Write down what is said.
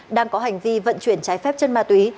đang có hành vi vận chuyển trái phép chân ma túy